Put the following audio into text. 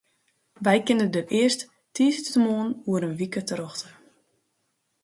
Wy kinne dêr earst tiisdeitemoarn oer in wike terjochte.